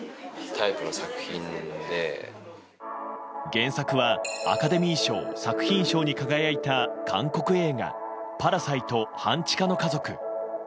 原作はアカデミー賞作品賞に輝いた韓国映画「パラサイト半地下の家族」。